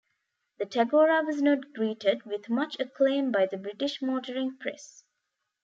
The Tagora was not greeted with much acclaim by the British motoring press.